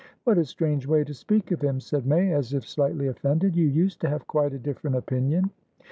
"What a strange way to speak of him!" said May, as if slightly offended. "You used to have quite a different opinion."